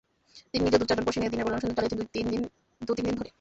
তিনি নিজেও দু-চারজন পড়শি নিয়ে দিনের বেলায় অনুসন্ধান চালিয়েছিলেন দু-তিন দিন ধরে।